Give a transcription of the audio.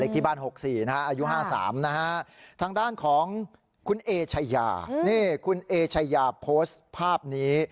ทางด้านของคุณเอเชยะนี่คุณเอเชยะโพสต์ภาพนี้